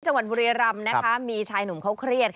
จังหวัดบุรียรำมีชายหนุ่มเค้าเครียด